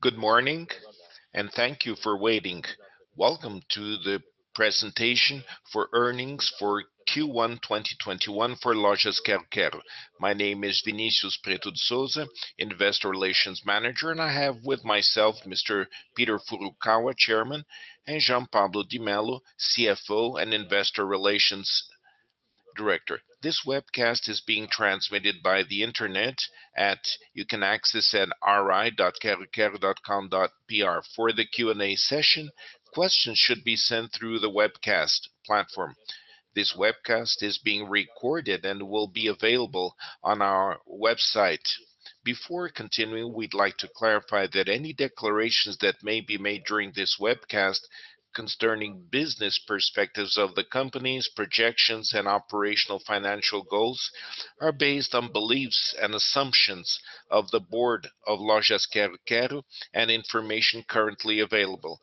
Good morning, and thank you for waiting. Welcome to the presentation for earnings for Q1 2021 for Lojas Quero-Quero. My name is Vinicius Pretto de Souza, Investor Relations Manager, and I have with myself Mr. Peter Furukawa, Chairman, and Jean Pablo de Mello, CFO and Investor Relations Director. This webcast is being transmitted by the internet. You can access it at ri.quero-quero.com.br. For the Q&A session, questions should be sent through the webcast platform. This webcast is being recorded and will be available on our website. Before continuing, we'd like to clarify that any declarations that may be made during this webcast concerning business perspectives of the company's projections and operational financial goals are based on beliefs and assumptions of the board of Lojas Quero-Quero and information currently available.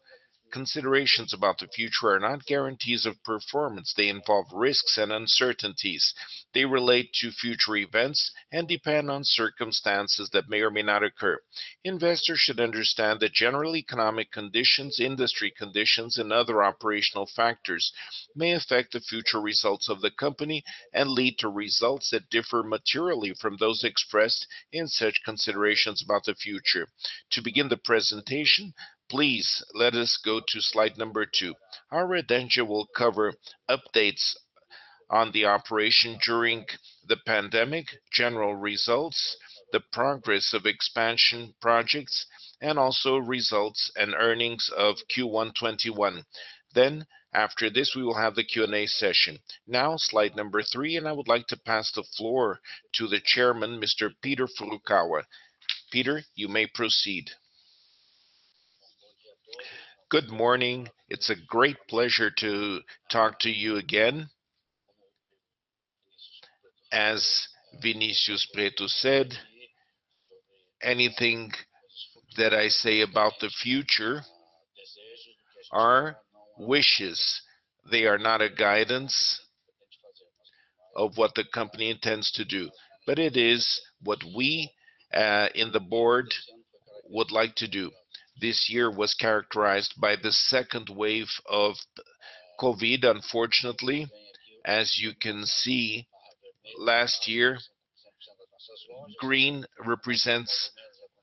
Considerations about the future are not guarantees of performance. They involve risks and uncertainties. They relate to future events and depend on circumstances that may or may not occur. Investors should understand that general economic conditions, industry conditions, and other operational factors may affect the future results of the company and lead to results that differ materially from those expressed in such considerations about the future. To begin the presentation, please let us go to slide number two. Our agenda will cover updates on the operation during the pandemic, general results, the progress of expansion projects, and also results and earnings of Q1 2021. After this, we will have the Q&A session. Slide number three, and I would like to pass the floor to the chairman, Mr. Peter Furukawa. Peter, you may proceed. Good morning. It's a great pleasure to talk to you again. As Vinicius Pretto said, anything that I say about the future are wishes. They are not a guidance of what the company intends to do, but it is what we in the board would like to do. This year was characterized by the second wave of COVID, unfortunately. As you can see, last year, green represents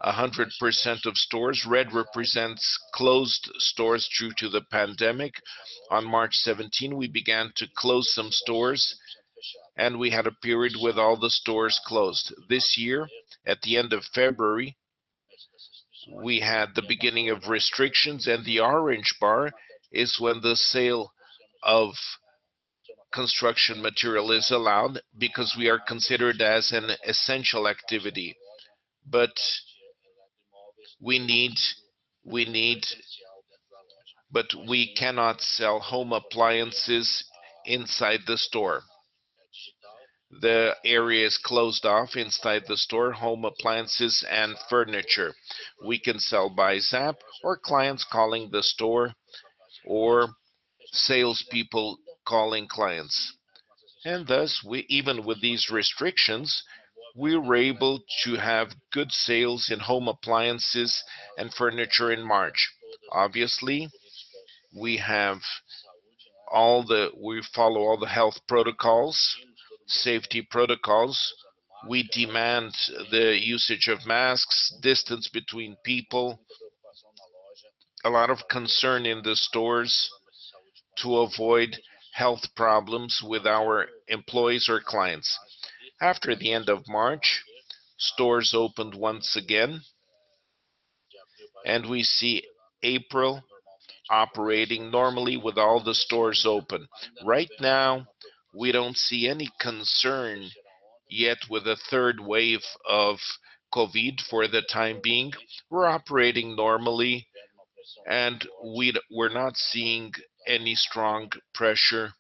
100% of stores. Red represents closed stores due to the pandemic. On March 17, we began to close some stores, and we had a period with all the stores closed. This year, at the end of February, we had the beginning of restrictions, and the orange bar is when the sale of construction material is allowed because we are considered as an essential activity. We cannot sell home appliances inside the store. The area is closed off inside the store, home appliances and furniture. We can sell by Zap or clients calling the store or salespeople calling clients. Even with these restrictions, we were able to have good sales in home appliances and furniture in March. Obviously, we follow all the health protocols, safety protocols. We demand the usage of masks, distance between people, a lot of concern in the stores to avoid health problems with our employees or clients. After the end of March, stores opened once again, and we see April operating normally with all the stores open. We don't see any concern yet with a third wave of COVID for the time being. We're operating normally, and we're not seeing any strong pressure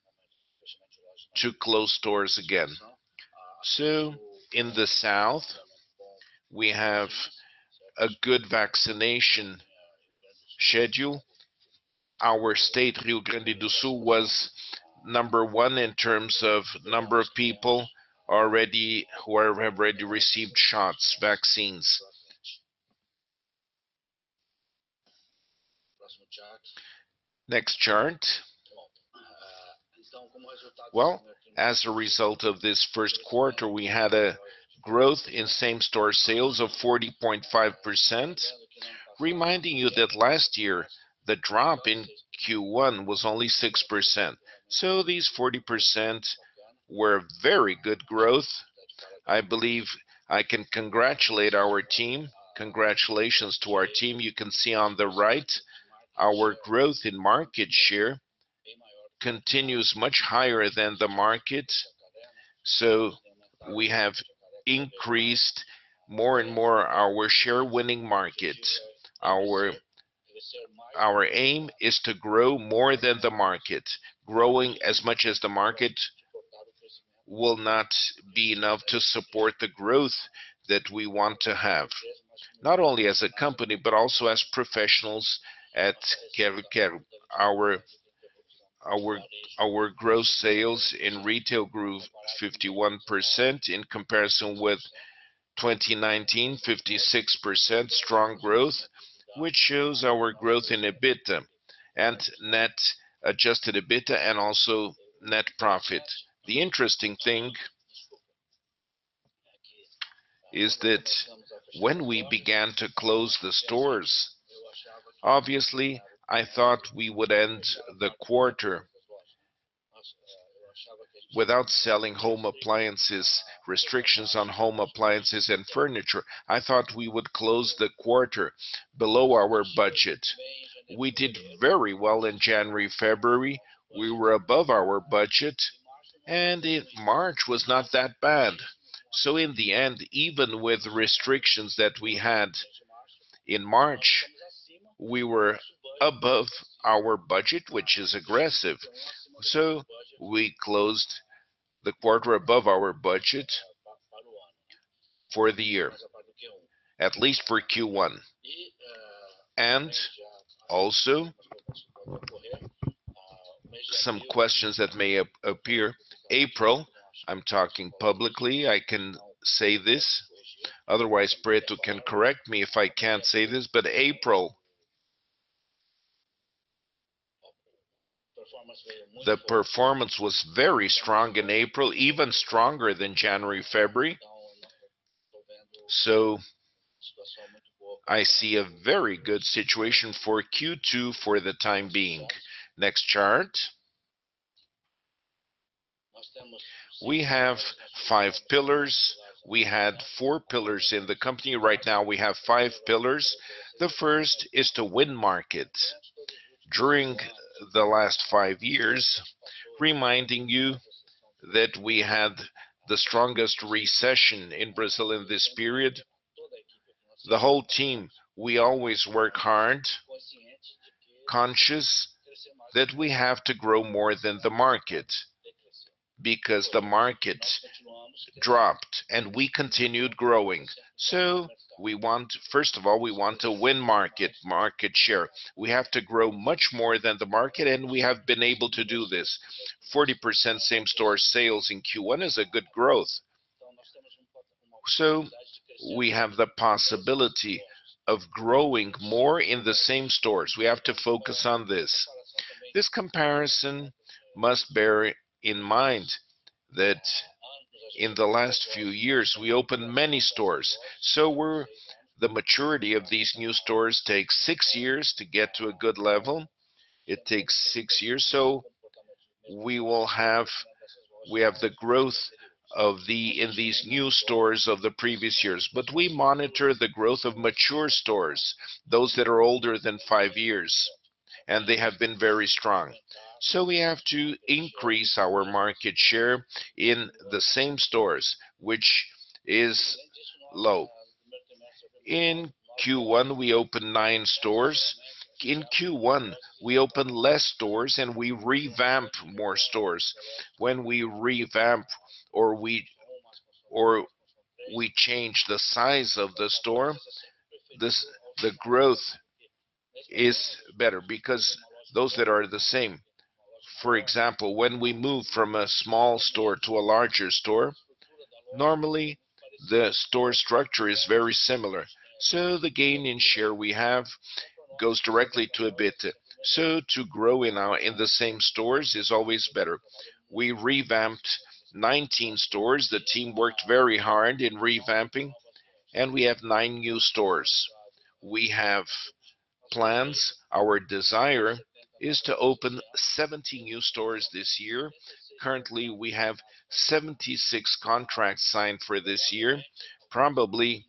to close stores again. In the south, we have a good vaccination schedule. Our state, Rio Grande do Sul, was number one in terms of number of people who have already received shots, vaccines. Next chart. Well, as a result of this first quarter, we had a growth in same-store sales of 40.5%. Reminding you that last year, the drop in Q1 was only 6%. These 40% were very good growth. I believe I can congratulate our team. Congratulations to our team. You can see on the right our growth in market share continues much higher than the market. We have increased more and more our share-winning market. Our aim is to grow more than the market. Growing as much as the market will not be enough to support the growth that we want to have, not only as a company but also as professionals at Quero-Quero. Our gross sales in retail grew 51% in comparison with 2019, 56% strong growth, which shows our growth in EBITDA and net adjusted EBITDA and also net profit. The interesting thing is that when we began to close the stores, obviously, I thought we would end the quarter without selling home appliances, restrictions on home appliances and furniture. I thought we would close the quarter below our budget. We did very well in January, February. We were above our budget, and March was not that bad. In the end, even with restrictions that we had in March, we were above our budget, which is aggressive. We closed the quarter above our budget for the year, at least for Q1. Also some questions that may appear. April, I'm talking publicly, I can say this. Otherwise, Pretto can correct me if I can't say this, but April, the performance was very strong in April, even stronger than January, February. I see a very good situation for Q2 for the time being. Next chart. We have five pillars. We had four pillars in the company. Right now we have five pillars. The first is to win markets. During the last five years, reminding you that we had the strongest recession in Brazil in this period. The whole team, we always work hard, conscious that we have to grow more than the market because the market dropped and we continued growing. First of all, we want to win market share. We have to grow much more than the market, and we have been able to do this. 40% same-store sales in Q1 is a good growth. We have the possibility of growing more in the same stores. We have to focus on this. This comparison must bear in mind that in the last few years, we opened many stores. The maturity of these new stores takes six years to get to a good level. It takes six years. We have the growth in these new stores of the previous years. We monitor the growth of mature stores, those that are older than five years, and they have been very strong. We have to increase our market share in the same stores, which is low. In Q1, we opened nine stores. In Q1, we opened less stores and we revamped more stores. When we revamp or we change the size of the store, the growth is better because those that are the same. For example, when we move from a small store to a larger store, normally the store structure is very similar. The gain in share we have goes directly to EBITDA. To grow in the same stores is always better. We revamped 19 stores. The team worked very hard in revamping, and we have nine new stores. We have plans. Our desire is to open 70 new stores this year. Currently, we have 76 contracts signed for this year. Probably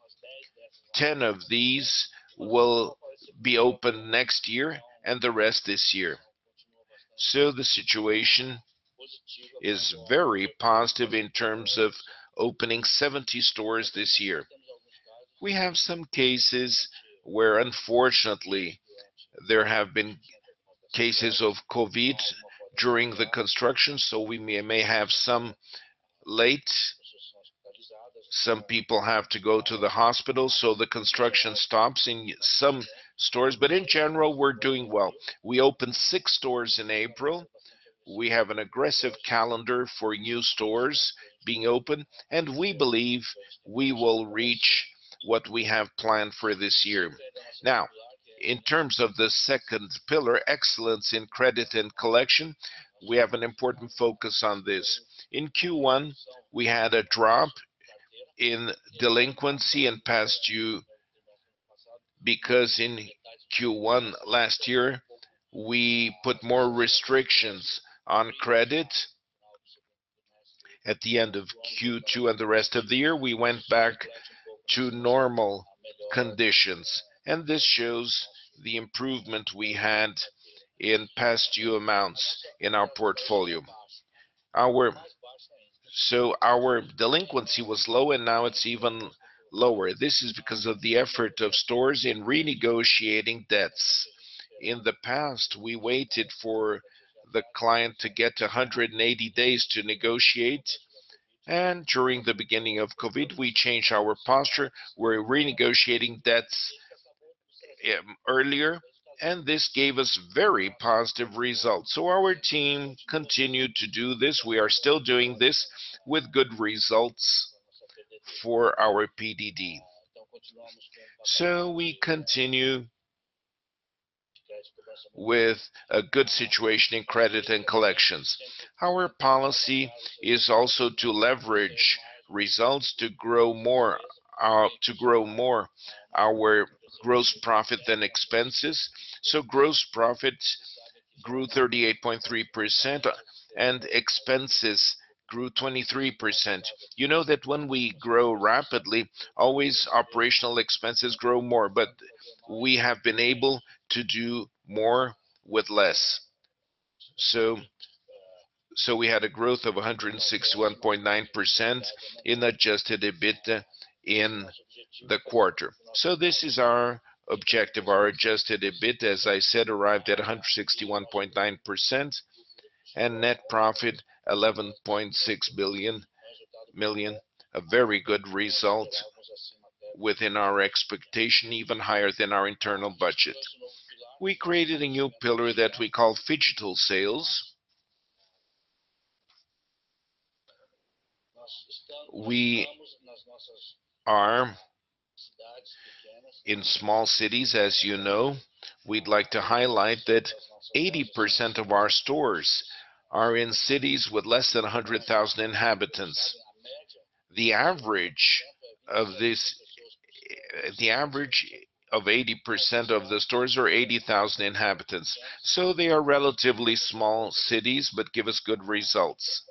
10 of these will be opened next year and the rest this year. The situation is very positive in terms of opening 70 stores this year. We have some cases where unfortunately there have been cases of COVID during the construction, so we may have some late. Some people have to go to the hospital, so the construction stops in some stores. In general, we're doing well. We opened six stores in April. We have an aggressive calendar for new stores being opened, and we believe we will reach what we have planned for this year. In terms of the second pillar, excellence in credit and collection, we have an important focus on this. In Q1, we had a drop in delinquency in past due because in Q1 last year, we put more restrictions on credit. At the end of Q2 and the rest of the year, we went back to normal conditions, this shows the improvement we had in past due amounts in our portfolio. Our delinquency was low, and now it's even lower. This is because of the effort of stores in renegotiating debts. In the past, we waited for the client to get to 180 days to negotiate, during the beginning of COVID, we changed our posture. We're renegotiating debts earlier, this gave us very positive results. Our team continued to do this. We are still doing this with good results for our PDD. We continue with a good situation in credit and collections. Our policy is also to leverage results to grow more our gross profit than expenses. Gross profit grew 38.3% and expenses grew 23%. You know that when we grow rapidly, always operational expenses grow more, but we have been able to do more with less. We had a growth of 161.9% in adjusted EBIT in the quarter. This is our objective. Our adjusted EBIT, as I said, arrived at 161.9%, and net profit 11.6 million, a very good result within our expectation, even higher than our internal budget. We created a new pillar that we call phygital sales. We are in small cities, as you know. We'd like to highlight that 80% of our stores are in cities with less than 100,000 inhabitants. The average of 80% of the stores are 80,000 inhabitants. They are relatively small cities but give us good results.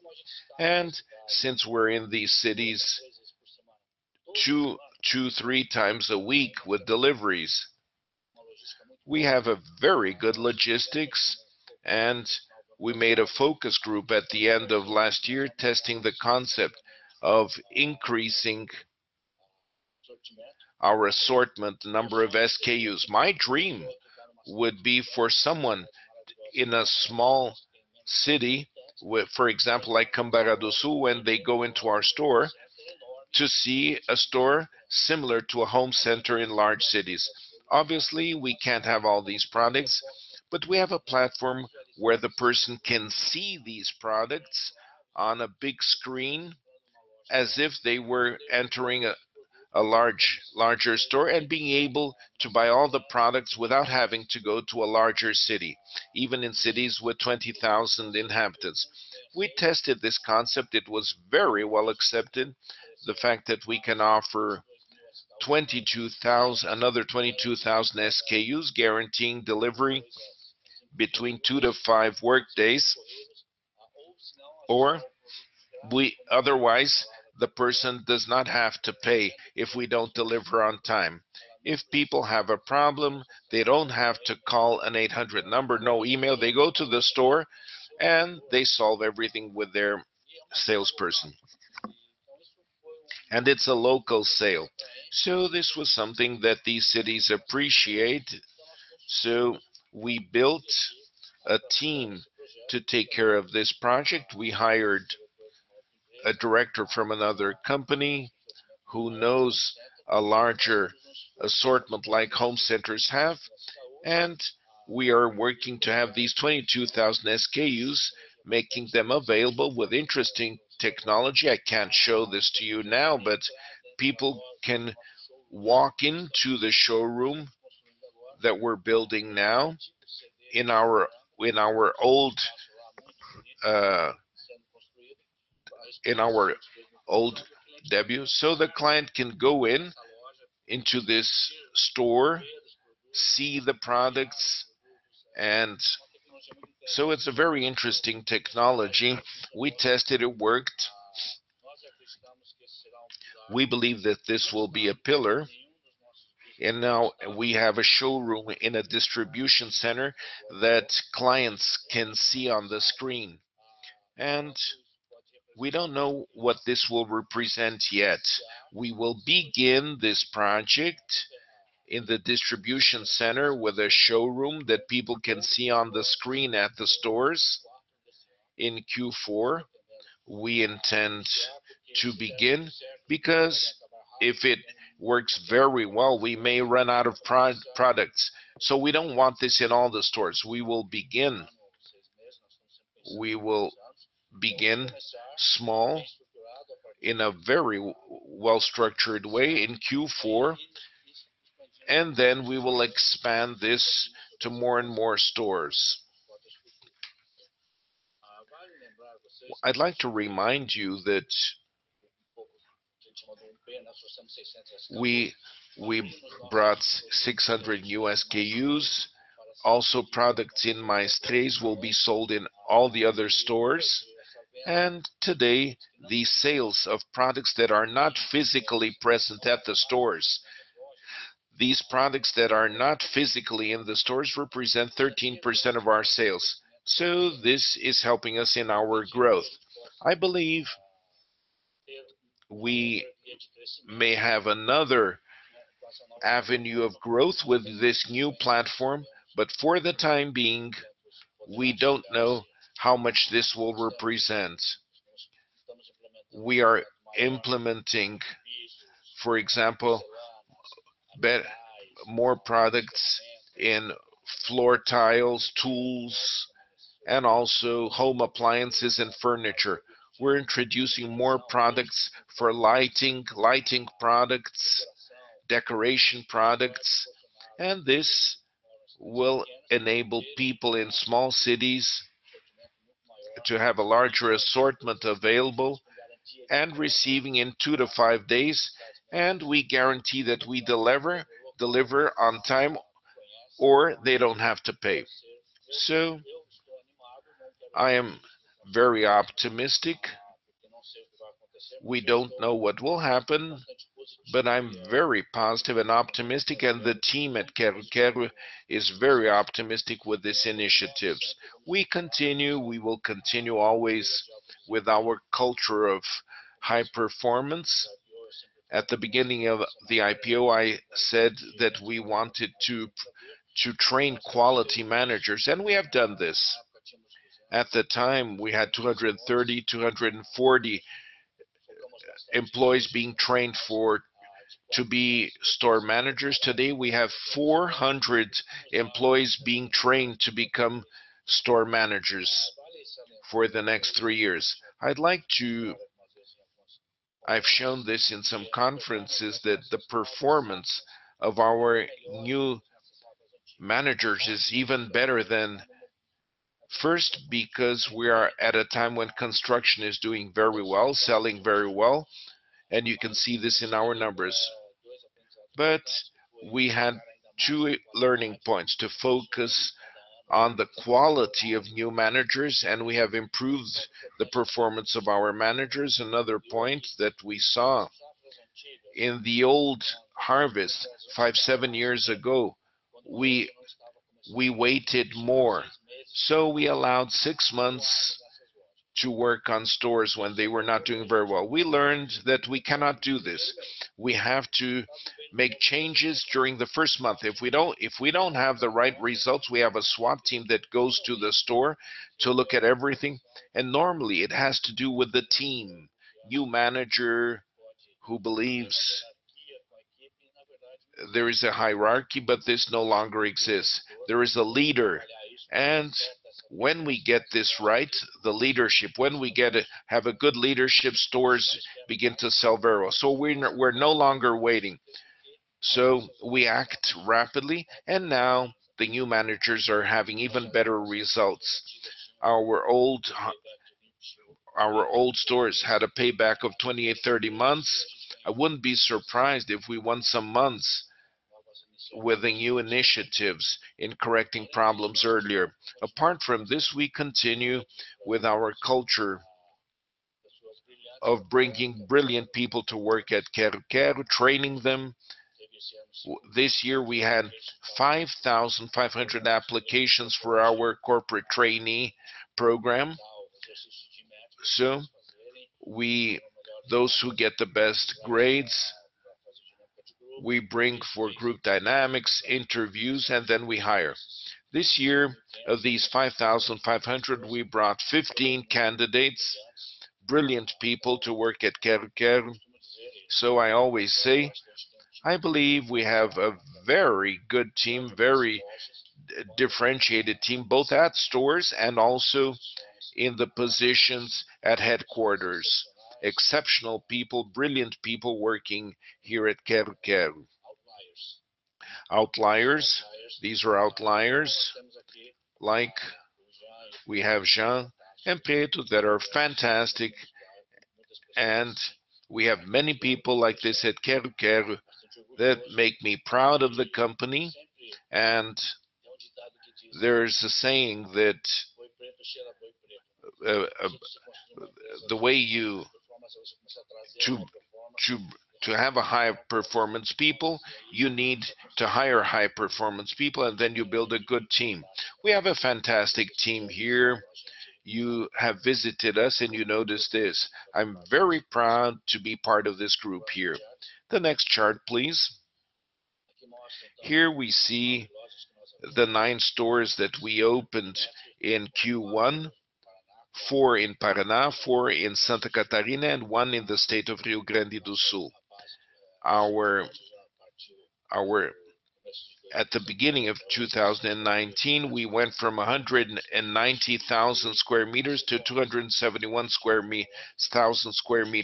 Since we're in these cities two, three times a week with deliveries, we have a very good logistics and we made a focus group at the end of last year testing the concept of increasing our assortment number of SKUs. My dream would be for someone in a small city, for example, like Cambará do Sul, when they go into our store, to see a store similar to a home center in large cities. Obviously, we can't have all these products, but we have a platform where the person can see these products on a big screen as if they were entering a larger store and being able to buy all the products without having to go to a larger city, even in cities with 20,000 inhabitants. We tested this concept. It was very well accepted. The fact that we can offer another 22,000 SKUs guaranteeing delivery between two to five workdays, or otherwise, the person does not have to pay if we don't deliver on time. If people have a problem, they don't have to call an 800 number, no email. They go to the store and they solve everything with their salesperson. It's a local sale. This was something that these cities appreciate. We built a team to take care of this project. We hired a director from another company who knows a larger assortment like home centers have, and we are working to have these 22,000 SKUs, making them available with interesting technology. I can't show this to you now, but people can walk into the showroom that we're building now in our old debut. The client can go into this store, see the products, and so it's a very interesting technology. We tested, it worked. We believe that this will be a pillar, and now we have a showroom in a distribution center that clients can see on the screen. We don't know what this will represent yet. We will begin this project in the distribution center with a showroom that people can see on the screen at the stores in Q4. We intend to begin because if it works very well, we may run out of products. We don't want this in all the stores. We will begin small in a very well-structured way in Q4, and then we will expand this to more and more stores. I'd like to remind you that we brought 600 new SKUs. Products in Mais Três will be sold in all the other stores. Today, these sales of products that are not physically present at the stores. These products that are not physically in the stores represent 13% of our sales. This is helping us in our growth. I believe we may have another avenue of growth with this new platform, but for the time being, we don't know how much this will represent. We are implementing, for example, more products in floor tiles, tools, and also home appliances and furniture. We're introducing more products for lighting products, decoration products, and this will enable people in small cities to have a larger assortment available and receiving in two to five days, and we guarantee that we deliver on time, or they don't have to pay. I am very optimistic. We don't know what will happen, but I'm very positive and optimistic, and the team at Quero-Quero is very optimistic with these initiatives. We will continue always with our culture of high performance. At the beginning of the IPO, I said that we wanted to train quality managers, and we have done this. At the time, we had 230, 240 employees being trained to be store managers. Today, we have 400 employees being trained to become store managers for the next three years. I've shown this in some conferences that the performance of our new managers is even better. First, because we are at a time when construction is doing very well, selling very well, and you can see this in our numbers. We had two learning points: to focus on the quality of new managers, and we have improved the performance of our managers. Another point that we saw in the old harvest, five, seven years ago, we waited more. We allowed six months to work on stores when they were not doing very well. We learned that we cannot do this. We have to make changes during the first month. If we don't have the right results, we have a SWAT team that goes to the store to look at everything. Normally, it has to do with the team. New manager who believes there is a hierarchy, but this no longer exists. There is a leader, when we get this right, the leadership, when we have a good leadership, stores begin to sell very well. We're no longer waiting. We act rapidly, now the new managers are having even better results. Our old stores had a payback of 28, 30 months. I wouldn't be surprised if we won some months with the new initiatives in correcting problems earlier. Apart from this, we continue with our culture of bringing brilliant people to work at Quero-Quero, training them. This year we had 5,500 applications for our Corporate Trainee Program. Those who get the best grades, we bring for group dynamics, interviews, and then we hire. This year, of these 5,500, we brought 15 candidates, brilliant people to work at Quero-Quero. I always say, I believe we have a very good team, very differentiated team, both at stores and also in the positions at headquarters. Exceptional people, brilliant people working here at Quero-Quero. Outliers. These are outliers. Like we have Jean and Pretto that are fantastic, and we have many people like this at Quero-Quero that make me proud of the company, and there's a saying that to have a high-performance people, you need to hire high-performance people, and then you build a good team. We have a fantastic team here. You have visited us, and you noticed this. I'm very proud to be part of this group here. The next chart, please. Here we see the nine stores that we opened in Q1, four in Paraná, four in Santa Catarina, and one in the state of Rio Grande do Sul. At the beginning of 2019, we went from 190,000 sq m to 271,000 sq m.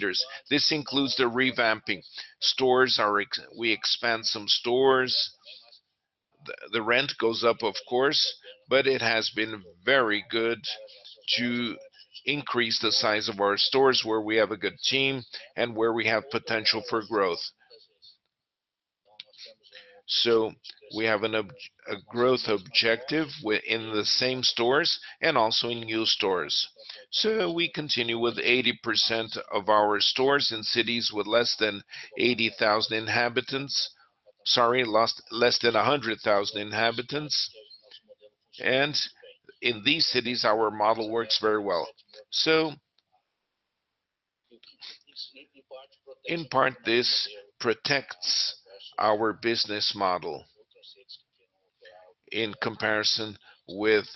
This includes the revamping. We expand some stores. The rent goes up, of course, but it has been very good to increase the size of our stores where we have a good team and where we have potential for growth. We have a growth objective within the same stores and also in new stores. We continue with 80% of our stores in cities with less than 80,000 inhabitants. Sorry, less than 100,000 inhabitants. In these cities, our model works very well. In part, this protects our business model in comparison with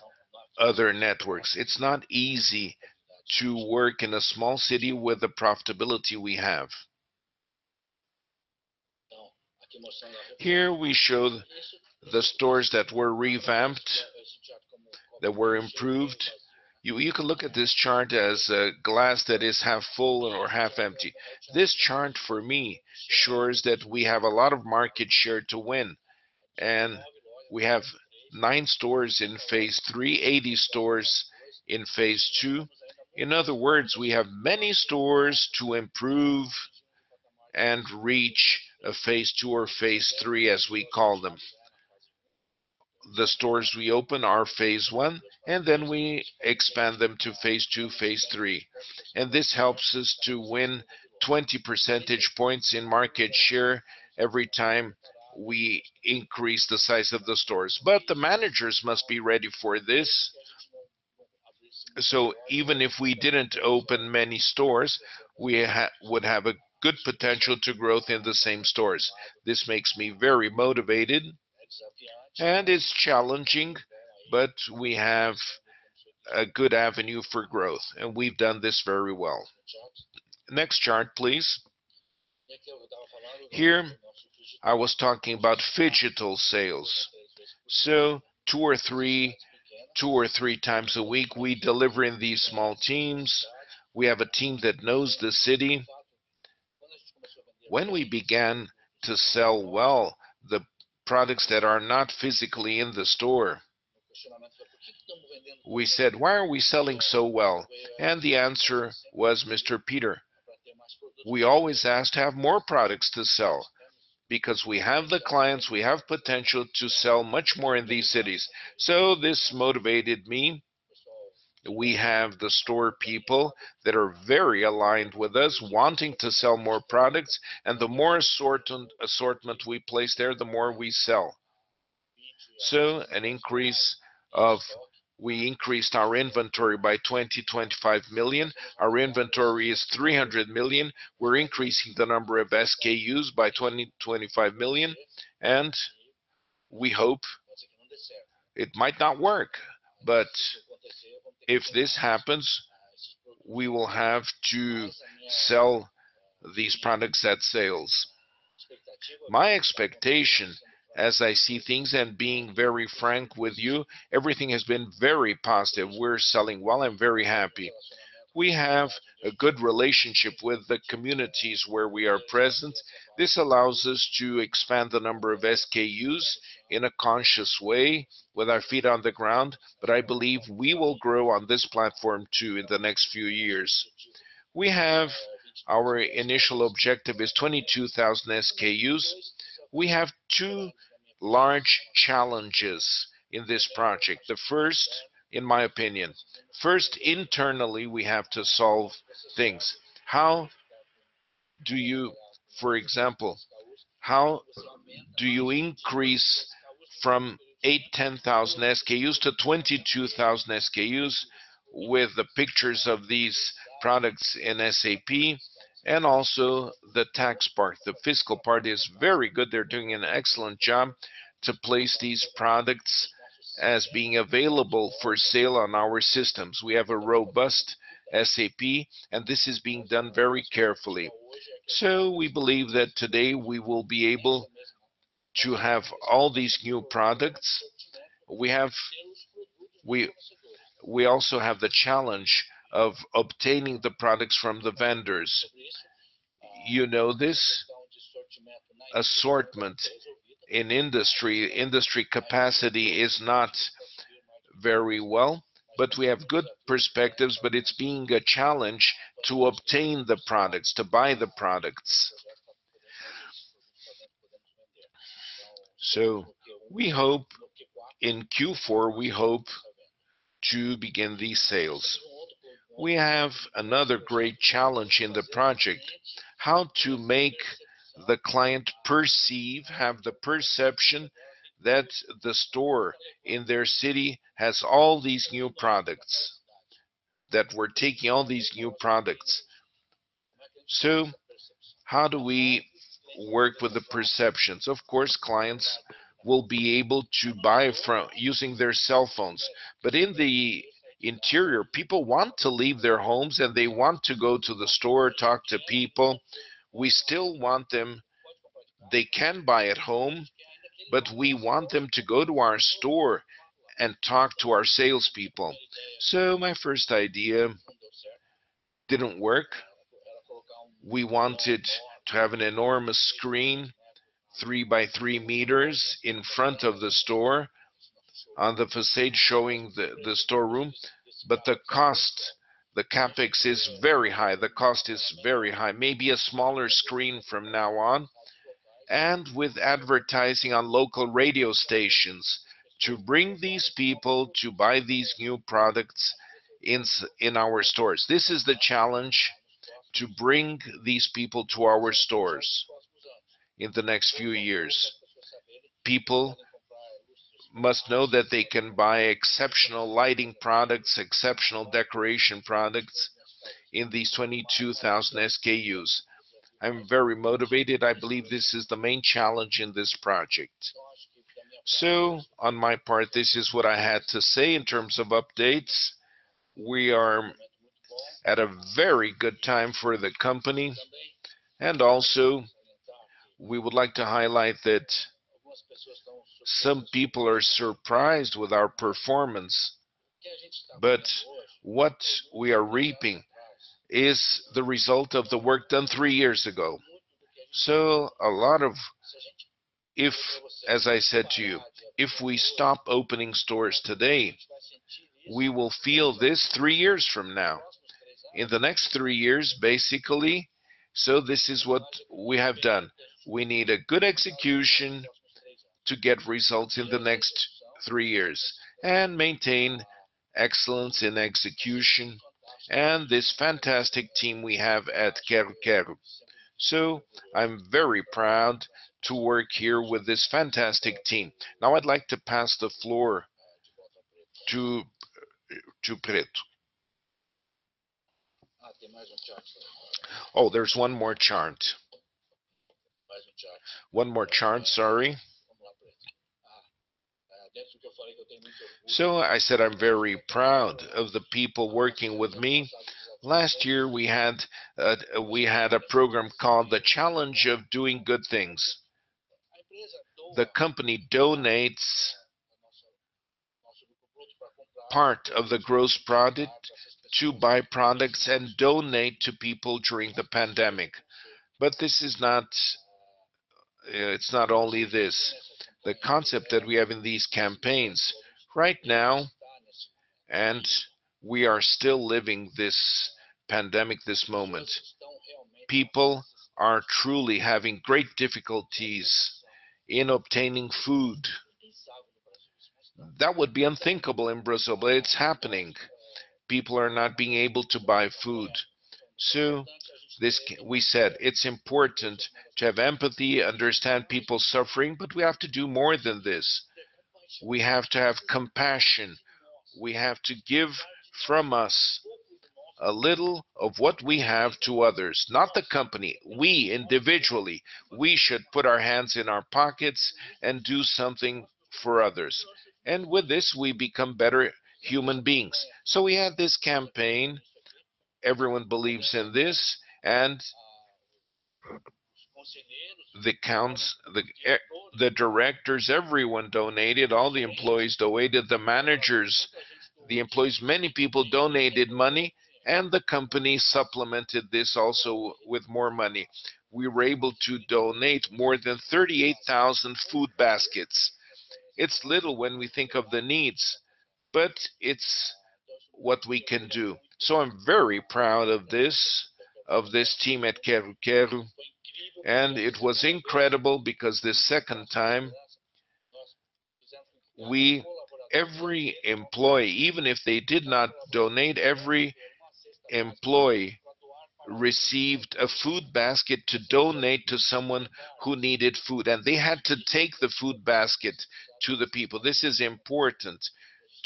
other networks. It's not easy to work in a small city with the profitability we have. Here we show the stores that were revamped, that were improved. You can look at this chart as a glass that is half full or half empty. This chart, for me, shows that we have a lot of market share to win, and we have nine stores in phase III, 80 stores in phase II. In other words, we have many stores to improve and reach a phase II or phase III, as we call them. The stores we open are phase I, and then we expand them to phase II, phase III, and this helps us to win 20 percentage points in market share every time we increase the size of the stores. The managers must be ready for this. Even if we didn't open many stores, we would have a good potential to growth in the same stores. This makes me very motivated, and it's challenging, but we have a good avenue for growth, and we've done this very well. Next chart, please. Here, I was talking about phygital sales. Two or three times a week, we deliver in these small teams. We have a team that knows the city. When we began to sell well the products that are not physically in the store, we said, "Why are we selling so well?" The answer was Mr. Peter. We always ask to have more products to sell because we have the clients, we have potential to sell much more in these cities. This motivated me. We have the store people that are very aligned with us wanting to sell more products, and the more assortment we place there, the more we sell. We increased our inventory by 20 million, 25 million. Our inventory is 300 million. We're increasing the number of SKUs by 20 million to 25 million. It might not work, but if this happens, we will have to sell these products at sales. My expectation as I see things, and being very frank with you, everything has been very positive. We're selling well. I'm very happy. We have a good relationship with the communities where we are present. This allows us to expand the number of SKUs in a conscious way with our feet on the ground. I believe we will grow on this platform, too, in the next few years. Our initial objective is 22,000 SKUs. We have two large challenges in this project. The first, in my opinion, internally, we have to solve things. For example, how do you increase from 8,000, 10,000 SKUs to 22,000 SKUs with the pictures of these products in SAP? Also the tax part. The fiscal part is very good. They're doing an excellent job to place these products as being available for sale on our systems. We have a robust SAP. This is being done very carefully. We believe that today we will be able to have all these new products. We also have the challenge of obtaining the products from the vendors. This assortment in industry capacity is not very well, but we have good perspectives, but it's being a challenge to obtain the products, to buy the products. In Q4, we hope to begin these sales. We have another great challenge in the project, how to make the client perceive, have the perception that the store in their city has all these new products, that we're taking all these new products. How do we work with the perceptions? Of course, clients will be able to buy using their cell phones. In the interior, people want to leave their homes, and they want to go to the store, talk to people. They can buy at home, but we want them to go to our store and talk to our salespeople. My first idea didn't work. We wanted to have an enormous screen, 3 by 3 meters in front of the store on the facade showing the storeroom. The cost, the CapEx is very high. The cost is very high. Maybe a smaller screen from now on, and with advertising on local radio stations to bring these people to buy these new products in our stores. This is the challenge, to bring these people to our stores in the next few years. People must know that they can buy exceptional lighting products, exceptional decoration products in these 22,000 SKUs. I'm very motivated. I believe this is the main challenge in this project. On my part, this is what I had to say in terms of updates. We are at a very good time for the company. Also, we would like to highlight that some people are surprised with our performance, but what we are reaping is the result of the work done three years ago. If, as I said to you, we stop opening stores today, we will feel this three years from now. In the next three years, basically, this is what we have done. We need a good execution to get results in the next three years and maintain excellence in execution and this fantastic team we have at Quero-Quero. I'm very proud to work here with this fantastic team. Now I'd like to pass the floor to Pretto. Oh, there's one more chart. One more chart, sorry. I said I'm very proud of the people working with me. Last year, we had a program called The Challenge of Doing Good Things. The company donates part of the gross product to buy products and donate to people during the pandemic. It's not only this. The concept that we have in these campaigns right now, and we are still living this pandemic this moment. People are truly having great difficulties in obtaining food. That would be unthinkable in Brazil, but it's happening. People are not being able to buy food. We said it's important to have empathy, understand people's suffering, but we have to do more than this. We have to have compassion. We have to give from us a little of what we have to others. Not the company, we individually. We should put our hands in our pockets and do something for others. With this, we become better human beings. We had this campaign. Everyone believes in this, and the directors, everyone donated, all the employees donated, the managers. Many people donated money, and the company supplemented this also with more money. We were able to donate more than 38,000 food baskets. It's little when we think of the needs, but it's what we can do. I'm very proud of this team at Quero-Quero, and it was incredible because the second time, every employee, even if they did not donate, every employee received a food basket to donate to someone who needed food, and they had to take the food basket to the people. This is important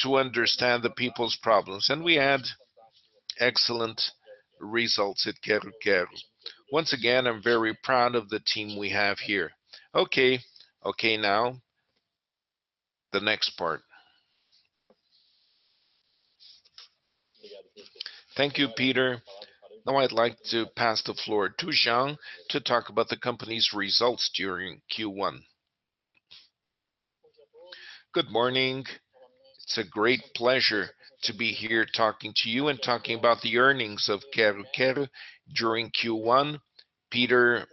to understand the people's problems, and we had excellent results at Quero-Quero. Once again, I'm very proud of the team we have here. Okay, now the next part. Thank you, Peter. Now I'd like to pass the floor to Jean to talk about the company's results during Q1. Good morning. It's a great pleasure to be here talking to you and talking about the earnings of Quero-Quero during Q1. Peter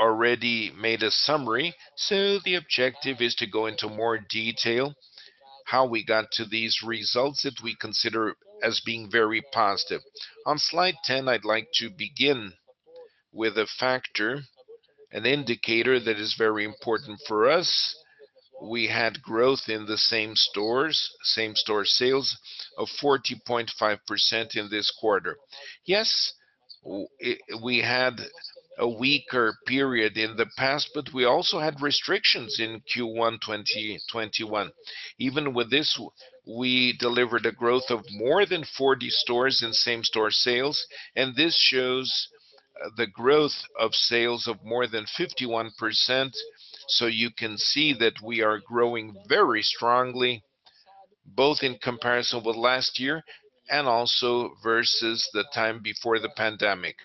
already made a summary, so the objective is to go into more detail how we got to these results that we consider as being very positive. On slide 10, I'd like to begin with a factor, an indicator that is very important for us. We had growth in the same-store sales of 40.5% in this quarter. Yes, we had a weaker period in the past, but we also had restrictions in Q1 2021. Even with this, we delivered a growth of more than 40 stores in same-store sales. This shows the growth of sales of more than 51%. You can see that we are growing very strongly, both in comparison with last year and also versus the time before the pandemic.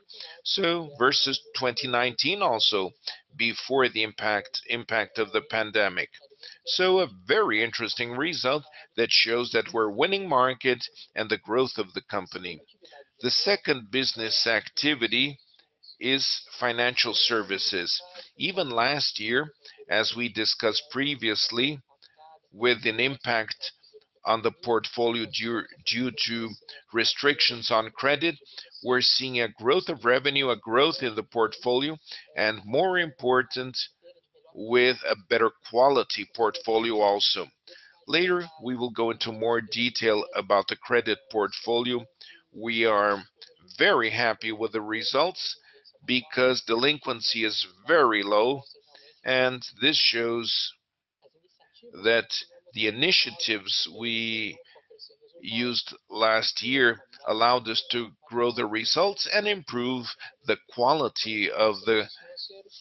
Versus 2019 also, before the impact of the pandemic. A very interesting result that shows that we're winning market and the growth of the company. The second business activity is financial services. Even last year, as we discussed previously, with an impact on the portfolio due to restrictions on credit, we're seeing a growth of revenue, a growth in the portfolio, and more important, with a better quality portfolio also. Later, we will go into more detail about the credit portfolio. We are very happy with the results because delinquency is very low, and this shows that the initiatives we used last year allowed us to grow the results and improve the quality of the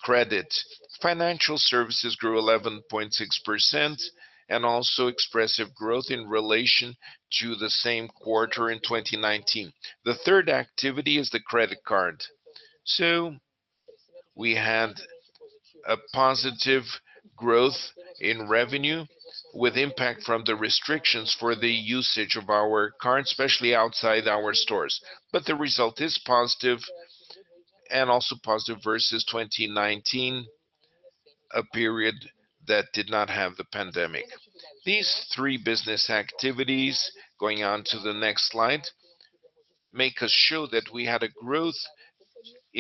credit. Financial services grew 11.6%, also expressive growth in relation to the same quarter in 2019. The third activity is the credit card. We had a positive growth in revenue with impact from the restrictions for the usage of our card, especially outside our stores. The result is positive and also positive versus 2019, a period that did not have the pandemic. These three business activities, going on to the next slide, make us show that we had a growth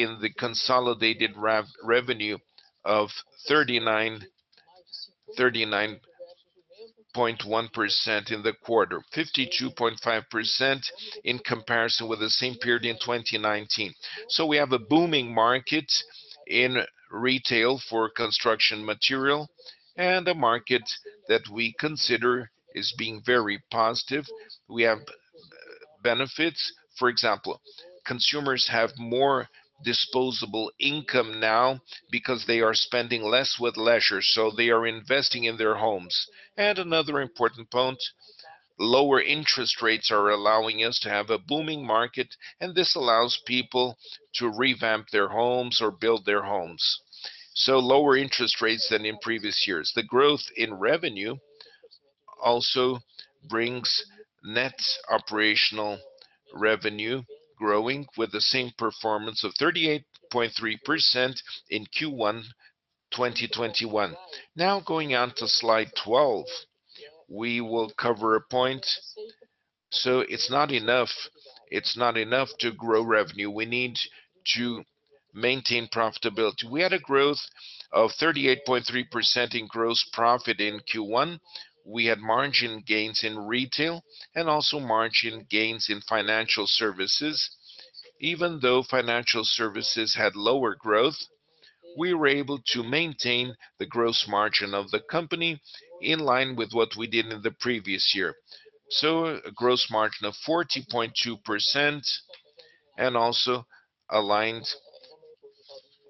in the consolidated revenue of 39.1% in the quarter, 52.5% in comparison with the same period in 2019. We have a booming market in retail for construction material, and a market that we consider is being very positive. We have benefits. For example, consumers have more disposable income now because they are spending less with leisure, so they are investing in their homes. Another important point, lower interest rates are allowing us to have a booming market, and this allows people to revamp their homes or build their homes. Lower interest rates than in previous years. The growth in revenue also brings net operational revenue growing with the same performance of 38.3% in Q1 2021. Going on to slide 12, we will cover a point. It's not enough to grow revenue. We need to maintain profitability. We had a growth of 38.3% in gross profit in Q1. We had margin gains in retail and also margin gains in financial services. Even though financial services had lower growth, we were able to maintain the gross margin of the company in line with what we did in the previous year. A gross margin of 40.2% and also aligned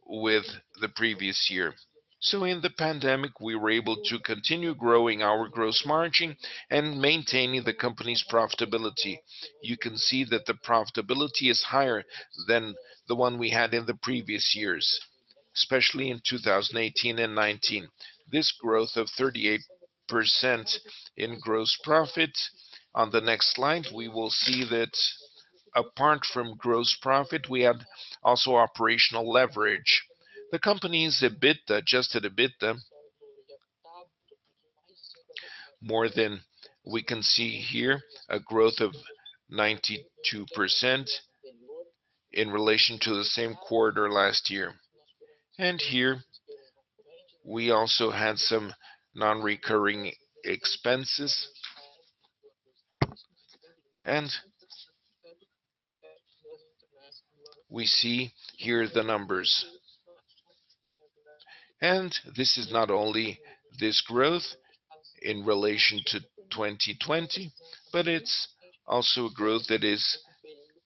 with the previous year. In the pandemic, we were able to continue growing our gross margin and maintaining the company's profitability. You can see that the profitability is higher than the one we had in the previous years, especially in 2018 and 2019. This growth of 38% in gross profit. On the next slide, we will see that apart from gross profit, we have also operational leverage. The company's adjusted EBITDA, more than we can see here, a growth of 92% in relation to the same quarter last year. Here we also had some non-recurring expenses. We see here the numbers. This is not only this growth in relation to 2020, but it's also a growth that is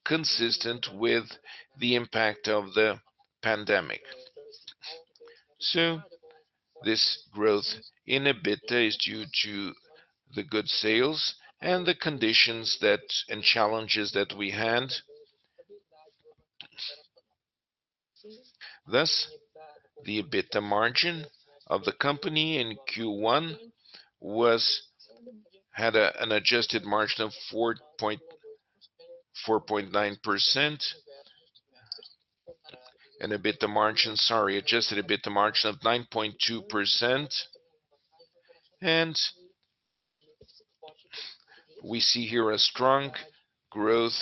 consistent with the impact of the pandemic. This growth in EBITDA is due to the good sales and the conditions and challenges that we had. Thus, the EBITDA margin of the company in Q1 had an adjusted margin of 4.9%. EBITDA margin, sorry, adjusted EBITDA margin of 9.2%. We see here a strong growth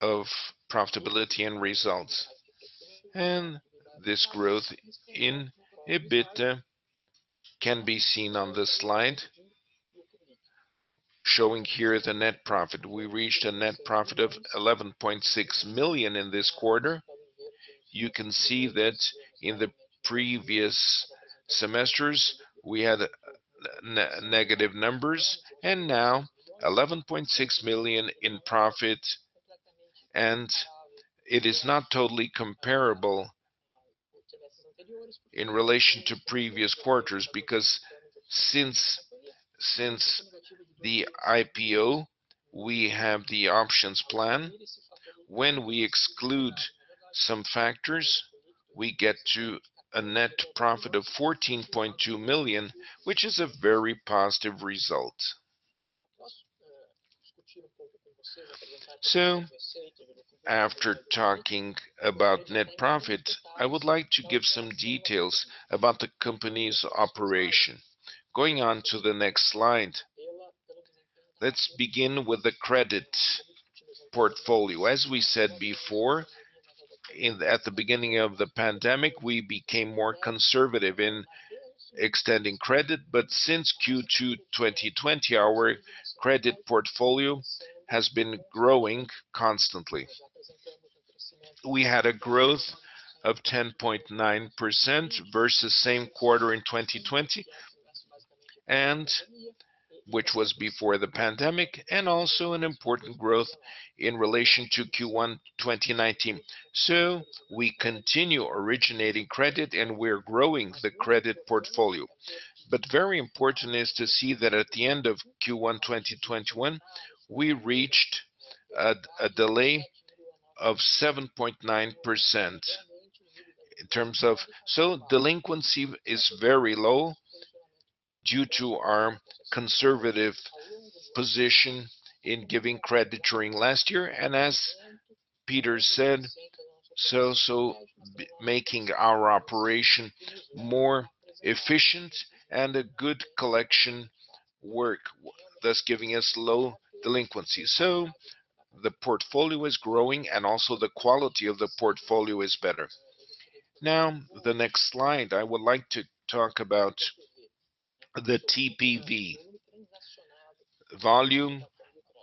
of profitability and results. This growth in EBITDA can be seen on this slide, showing here the net profit. We reached a net profit of 11.6 million in this quarter. You can see that in the previous semesters, we had negative numbers, and now 11.6 million in profit. It is not totally comparable in relation to previous quarters because since the IPO, we have the options plan. When we exclude some factors, we get to a net profit of 14.2 million, which is a very positive result. After talking about net profit, I would like to give some details about the company's operation. Going on to the next slide. Let's begin with the credit portfolio. As we said before, at the beginning of the pandemic, we became more conservative in extending credit, but since Q2 2020, our credit portfolio has been growing constantly. We had a growth of 10.9% versus same quarter in 2020, which was before the pandemic, and also an important growth in relation to Q1 2019. We continue originating credit, and we're growing the credit portfolio. Very important is to see that at the end of Q1 2021, we reached a delay of 7.9%. Delinquency is very low due to our conservative position in giving credit during last year, and as Peter said, also making our operation more efficient and a good collection work, thus giving us low delinquency. The portfolio is growing and also the quality of the portfolio is better. The next slide, I would like to talk about the TPV. Volume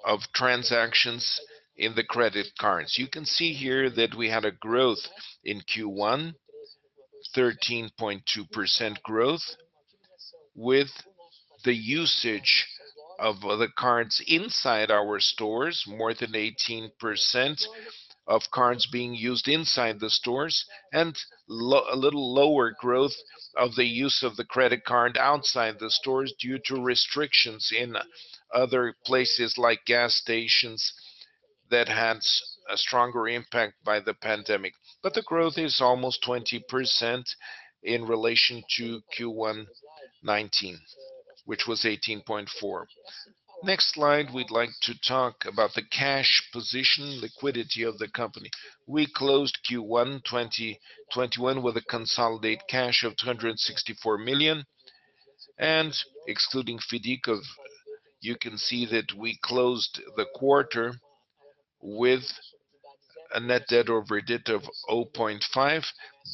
of transactions in the credit cards. You can see here that we had a growth in Q1, 13.2% growth with the usage of the cards inside our stores, more than 18% of cards being used inside the stores, and a little lower growth of the use of the credit card outside the stores due to restrictions in other places like gas stations that had a stronger impact by the pandemic. The growth is almost 20% in relation to Q1 2019, which was 18.4%. Next slide, we'd like to talk about the cash position liquidity of the company. We closed Q1 2021 with a consolidated cash of 264 million. Excluding FIDC, you can see that we closed the quarter with a net debt over EBIT of 0.5,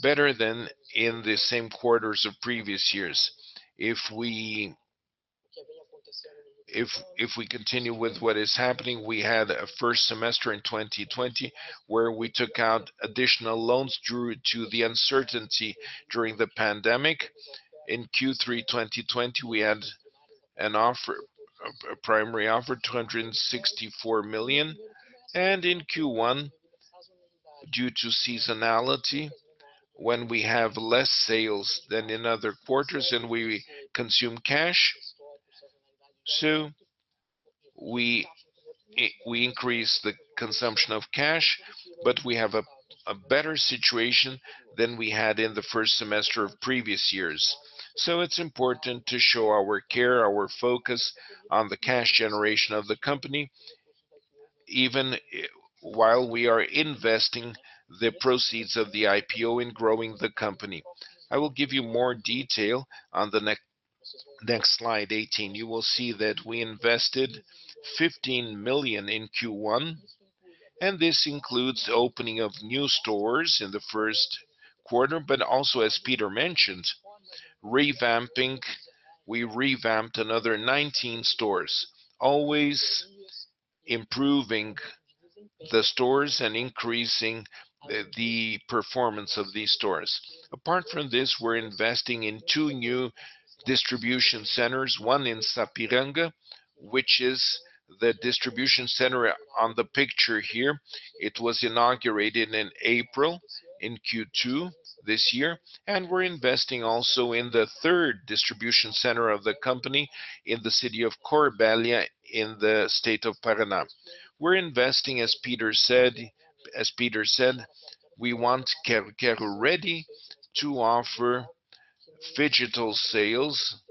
better than in the same quarters of previous years. If we continue with what is happening, we had a first semester in 2020 where we took out additional loans due to the uncertainty during the pandemic. In Q3 2020, we had a primary offer, 264 million, and in Q1, due to seasonality, when we have less sales than in other quarters, and we consume cash, so we increase the consumption of cash, but we have a better situation than we had in the first semester of previous years. It's important to show our care, our focus on the cash generation of the company, even while we are investing the proceeds of the IPO in growing the company. I will give you more detail on the next slide, 18. You will see that we invested 15 million in Q1, and this includes the opening of new stores in the first quarter, but also, as Peter mentioned, revamping. We revamped another 19 stores, always improving the stores and increasing the performance of these stores. Apart from this, we're investing in two new distribution centers, one in Sapiranga, which is the distribution center on the picture here. It was inaugurated in April, in Q2 this year, and we're investing also in the third distribution center of the company in the city of Corbélia, in the state of Paraná. We're investing, as Peter said, we want Quero-Quero ready to offer phygital sales.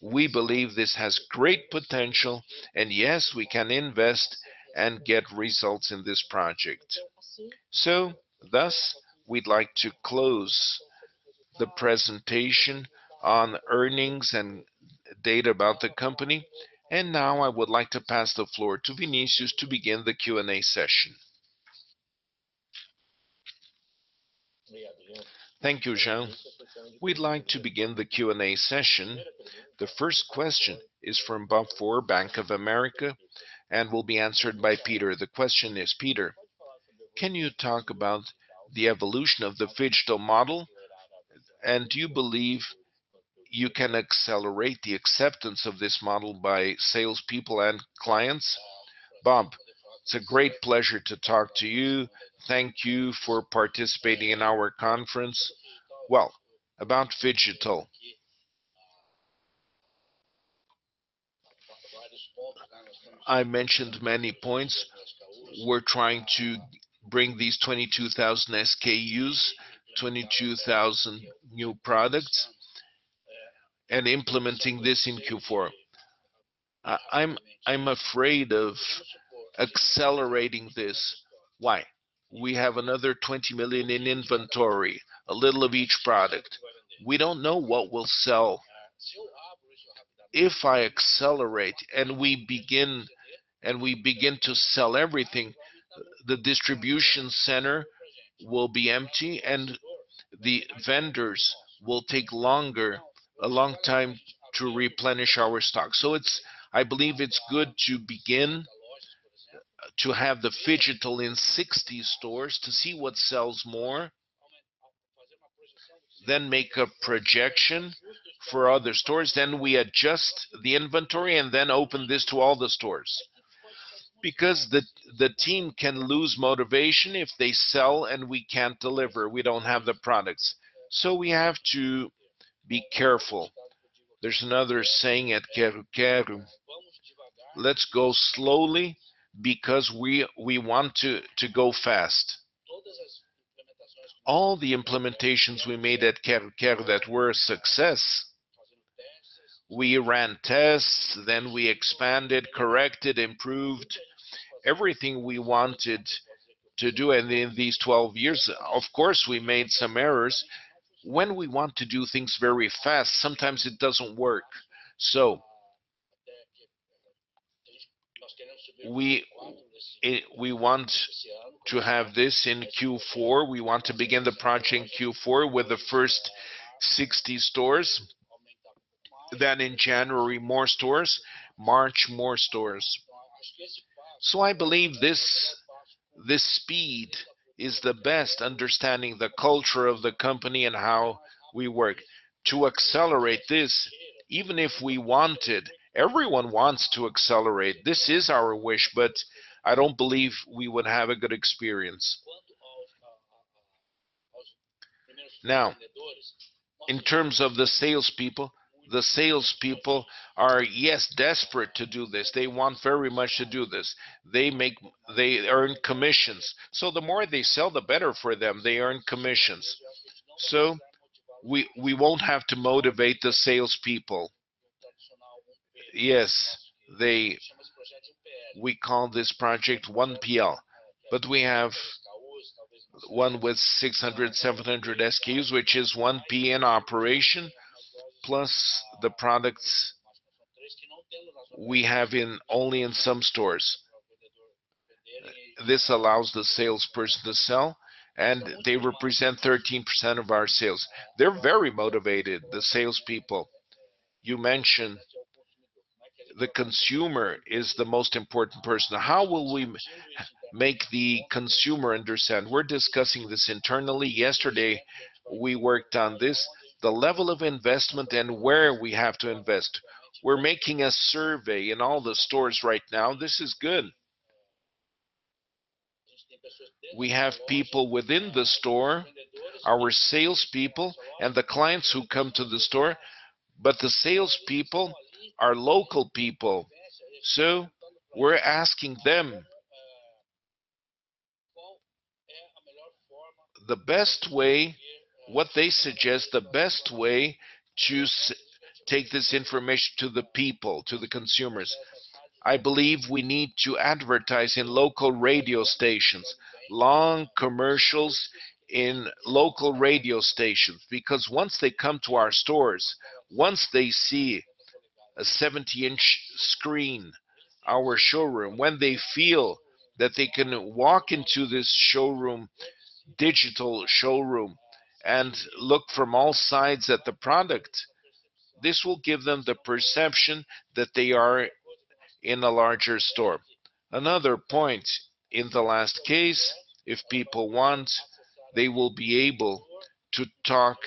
We believe this has great potential. Yes, we can invest and get results in this project. Thus, we'd like to close the presentation on earnings and data about the company. Now I would like to pass the floor to Vinicius to begin the Q&A session. Thank you, Jean. We'd like to begin the Q&A session. The first question is from Bob Ford, Bank of America, and will be answered by Peter. The question is, Peter, can you talk about the evolution of the phygital model? Do you believe you can accelerate the acceptance of this model by salespeople and clients? Bob, it's a great pleasure to talk to you. Thank you for participating in our conference. Well, about phygital. I mentioned many points. We're trying to bring these 22,000 SKUs, 22,000 new products, implementing this in Q4. I'm afraid of accelerating this. Why? We have another 20 million in inventory, a little of each product. We don't know what we'll sell. If I accelerate and we begin to sell everything, the distribution center will be empty. The vendors will take a long time to replenish our stock. I believe it's good to begin to have the phygital in 60 stores to see what sells more, then make a projection for other stores, then we adjust the inventory, and then open this to all the stores. The team can lose motivation if they sell and we can't deliver, we don't have the products. We have to be careful. There's another saying at Quero-Quero, "Let's go slowly because we want to go fast." All the implementations we made at Quero-Quero that were a success, we ran tests, we expanded, corrected, improved everything we wanted to do. In these 12 years, of course, we made some errors. When we want to do things very fast, sometimes it doesn't work. We want to have this in Q4. We want to begin the project in Q4 with the first 60 stores. In January, more stores. March, more stores. I believe this speed is the best, understanding the culture of the company and how we work. To accelerate this, even if we wanted, everyone wants to accelerate. This is our wish, I don't believe we would have a good experience. In terms of the salespeople, the salespeople are, yes, desperate to do this. They want very much to do this. They earn commissions, so the more they sell, the better for them. They earn commissions. We won't have to motivate the salespeople. Yes, we call this project 1PL, but we have one with 600, 700 SKUs, which is 1P in operation, plus the products we have only in some stores. This allows the salesperson to sell, and they represent 13% of our sales. They're very motivated, the salespeople. You mentioned the consumer is the most important person. How will we make the consumer understand? We're discussing this internally. Yesterday, we worked on this, the level of investment and where we have to invest. We're making a survey in all the stores right now. This is good. We have people within the store, our salespeople, and the clients who come to the store, but the salespeople are local people, so we're asking them what they suggest the best way to take this information to the people, to the consumers. I believe we need to advertise in local radio stations, long commercials in local radio stations. Because once they come to our stores, once they see a 70-inch screen, our showroom, when they feel that they can walk into this digital showroom and look from all sides at the product, this will give them the perception that they are in a larger store. Another point, in the last case, if people want, they will be able to talk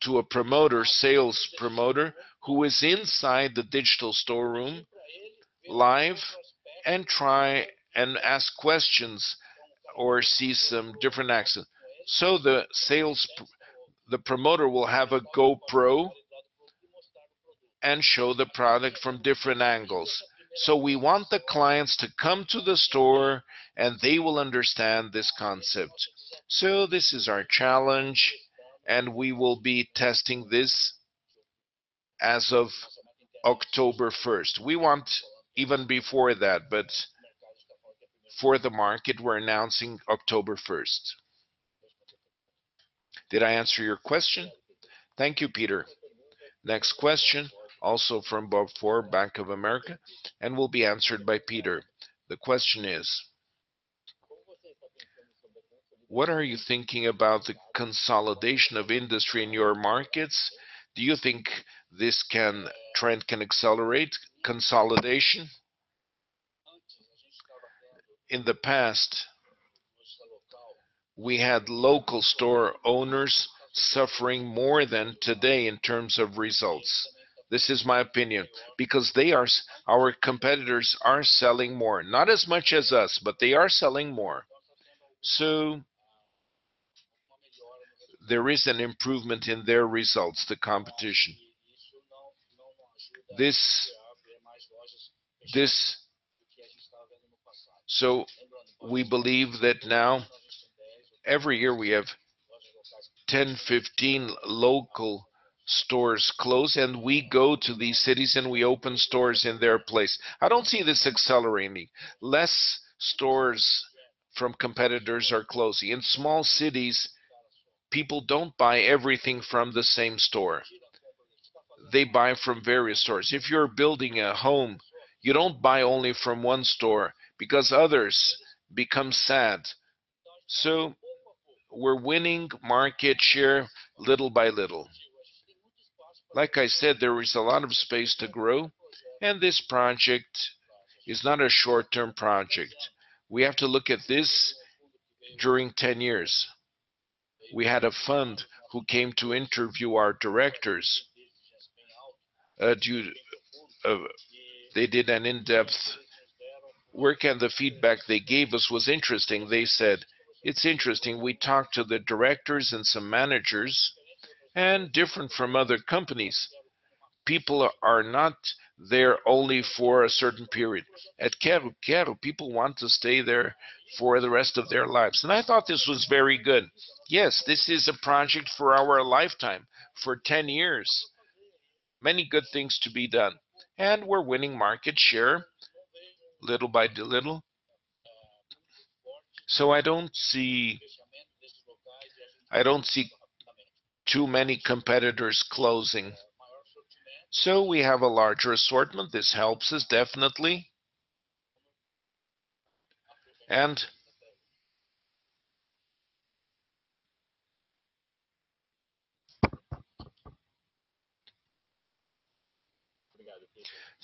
to a promoter, sales promoter, who is inside the digital storeroom live and try and ask questions or see some different accents. The promoter will have a GoPro and show the product from different angles. We want the clients to come to the store, and they will understand this concept. This is our challenge, and we will be testing this as of October 1st. We want even before that, but for the market, we're announcing October 1st. Did I answer your question? Thank you, Peter. Next question, also from Bob Ford, Bank of America, and will be answered by Peter. The question is: What are you thinking about the consolidation of industry in your markets? Do you think this trend can accelerate consolidation? In the past, we had local store owners suffering more than today in terms of results. This is my opinion. Our competitors are selling more, not as much as us, but they are selling more. There is an improvement in their results, the competition. We believe that now every year we have 10, 15 local stores close, and we go to these cities and we open stores in their place. I don't see this accelerating. Less stores from competitors are closing. In small cities, people don't buy everything from the same store. They buy from various stores. If you're building a home, you don't buy only from one store because others become sad. We're winning market share little by little. Like I said, there is a lot of space to grow, and this project is not a short-term project. We have to look at this during 10 years. We had a fund who came to interview our directors. They did an in-depth work, and the feedback they gave us was interesting. They said, "It's interesting, we talked to the directors and some managers, different from other companies, people are not there only for a certain period." At Quero-Quero, people want to stay there for the rest of their lives. I thought this was very good. Yes, this is a project for our lifetime, for 10 years. Many good things to be done. We're winning market share little by little. I don't see too many competitors closing. We have a larger assortment. This helps us, definitely.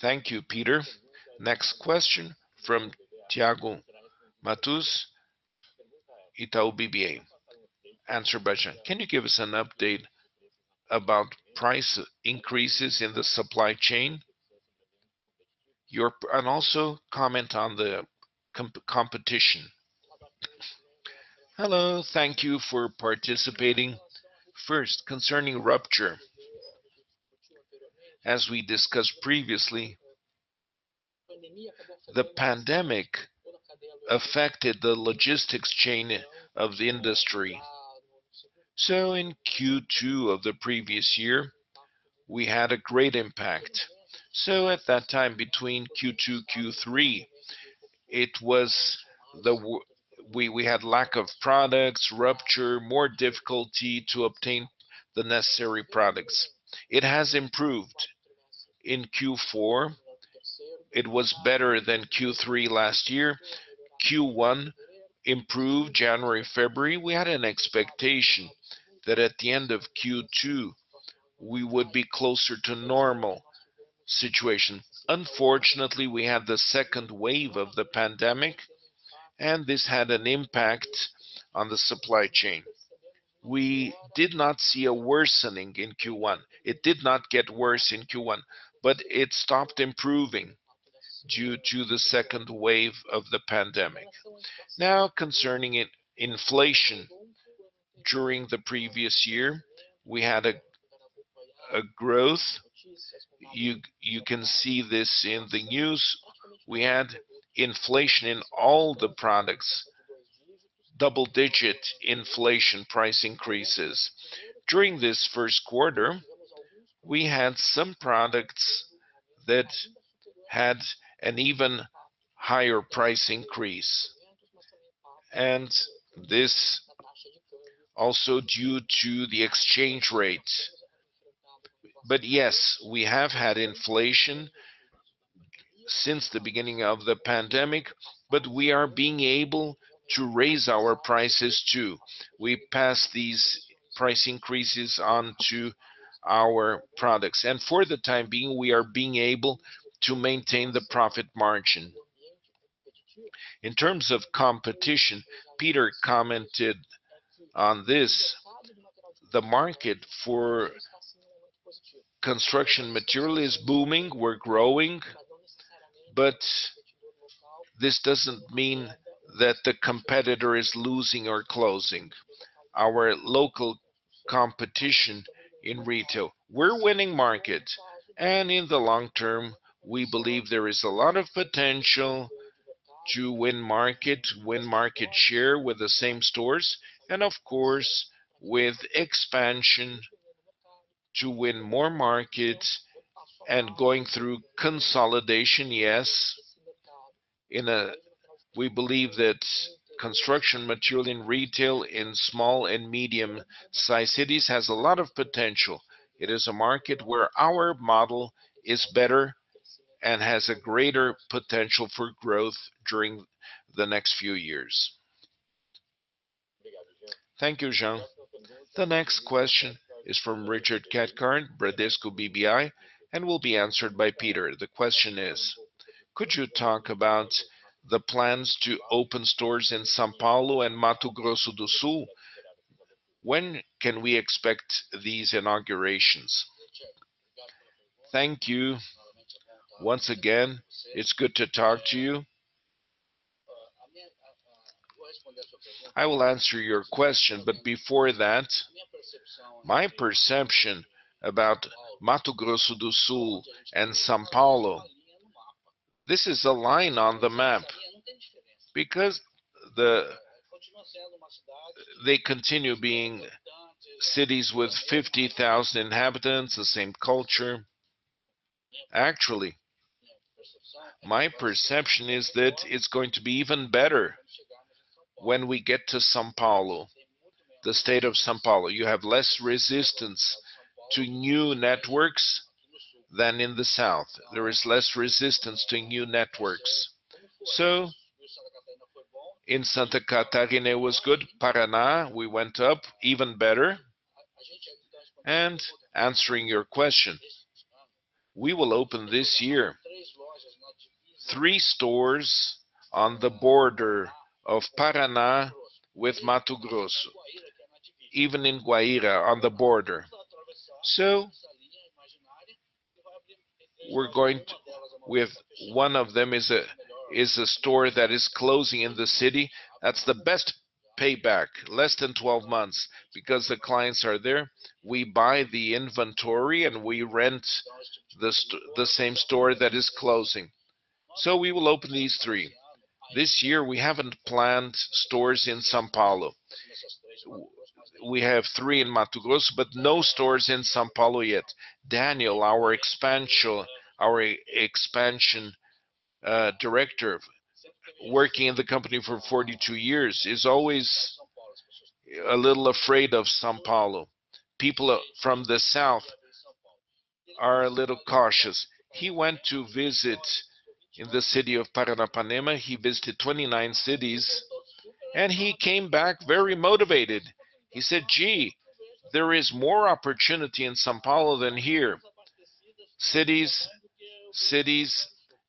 Thank you, Peter. Next question from Thiago Macruz, Itaú BBA, answered by Jean. Can you give us an update about price increases in the supply chain? Also comment on the competition. Hello. Thank you for participating. First, concerning rupture, as we discussed previously, the pandemic affected the logistics chain of the industry. In Q2 of the previous year, we had a great impact. At that time, between Q2, Q3, we had lack of products, rupture, more difficulty to obtain the necessary products. It has improved. In Q4, it was better than Q3 last year. Q1 improved January, February. We had an expectation that at the end of Q2, we would be closer to normal situation. Unfortunately, we had the second wave of the pandemic, and this had an impact on the supply chain. We did not see a worsening in Q1. It did not get worse in Q1, but it stopped improving due to the second wave of the pandemic. Concerning inflation. During the previous year, we had a growth. You can see this in the news. We had inflation in all the products, double-digit inflation price increases. During this first quarter, we had some products that had an even higher price increase. This also due to the exchange rate. Yes, we have had inflation since the beginning of the pandemic, but we are being able to raise our prices too. We pass these price increases on to our products. For the time being, we are being able to maintain the profit margin. In terms of competition, Peter commented on this. The market for construction material is booming. We're growing, but this doesn't mean that the competitor is losing or closing our local competition in retail. We're winning market. In the long term, we believe there is a lot of potential to win market, win market share with the same stores, and of course, with expansion to win more market and going through consolidation, yes. We believe that construction material in retail in small and medium-sized cities has a lot of potential. It is a market where our model is better and has a greater potential for growth during the next few years. Thank you, Jean. The next question is from Richard Cathcart, Bradesco BBI, and will be answered by Peter. The question is: Could you talk about the plans to open stores in São Paulo and Mato Grosso do Sul? When can we expect these inaugurations? Thank you once again. It's good to talk to you. I will answer your question. Before that, my perception about Mato Grosso do Sul and São Paulo, this is a line on the map. They continue being cities with 50,000 inhabitants, the same culture. Actually, my perception is that it's going to be even better when we get to São Paulo, the State of São Paulo. You have less resistance to new networks than in the south. There is less resistance to new networks. In Santa Catarina was good. Paraná, we went up even better. Answering your question, we will open this year three stores on the border of Paraná with Mato Grosso, even in Guaíra on the border. We're going with one of them is a store that is closing in the city. That's the best payback, less than 12 months because the clients are there. We buy the inventory and we rent the same store that is closing. We will open these three. This year we haven't planned stores in São Paulo. We have three in Mato Grosso but no stores in São Paulo yet. Daniel, our expansion director, working in the company for 42 years is always a little afraid of São Paulo. People from the south are a little cautious. He went to visit in the city of Paranapanema. He visited 29 cities and he came back very motivated. He said, "Gee, there is more opportunity in São Paulo than here. Cities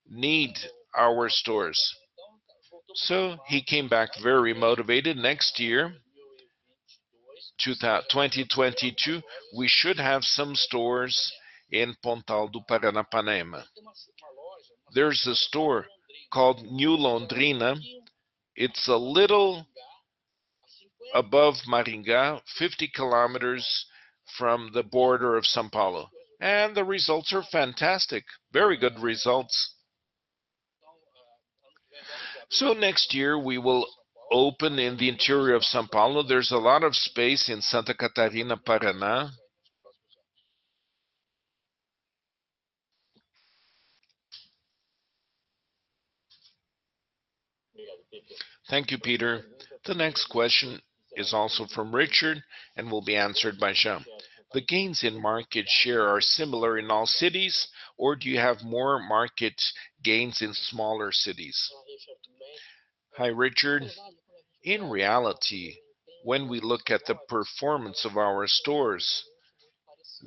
need our stores." He came back very motivated. Next year, 2022, we should have some stores in Pontal do Paranapanema. There's a store called Nova Londrina. It's a little above Maringá, 50 km from the border of São Paulo, and the results are fantastic. Very good results. Next year we will open in the interior of São Paulo. There's a lot of space in Santa Catarina, Paraná. Thank you, Peter. The next question is also from Richard and will be answered by Jean. The gains in market share are similar in all cities or do you have more market gains in smaller cities? Hi, Richard. In reality, when we look at the performance of our stores,